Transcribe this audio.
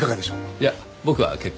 いや僕は結構。